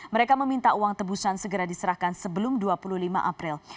mereka meminta uang tebusan segera diserahkan sebelum dua puluh lima april